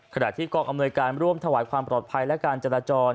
ขณะที่กองอำนวยการร่วมถวายความปลอดภัยและการจราจร